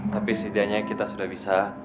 tapi setidaknya kita sudah bisa